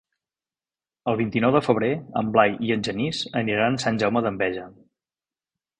El vint-i-nou de febrer en Blai i en Genís aniran a Sant Jaume d'Enveja.